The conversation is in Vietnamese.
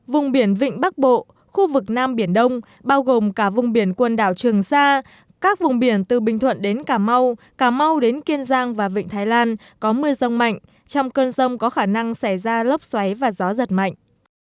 vùng biển vịnh bắc bộ khu vực nam biển đông bao gồm cả vùng biển quần đảo trường sa các vùng biển từ bình thuận đến cà mau cà mau đến kiên giang và vịnh thái lan có mưa rông mạnh trong cơn rông có khả năng xảy ra lốc xoáy và gió giật mạnh